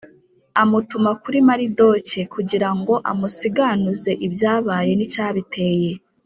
amutuma kuri maridoke kugira ngo amusiganuze ibyabaye n’icyabiteye.